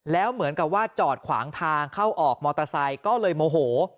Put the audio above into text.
แล้วเหมือนกับว่าจอดขวางทางเข้าออกมอเตอร์ไซค์ก็เลยโมโห